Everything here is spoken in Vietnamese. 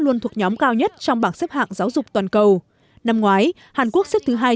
luôn thuộc nhóm cao nhất trong bảng xếp hạng giáo dục toàn cầu năm ngoái hàn quốc xếp thứ hai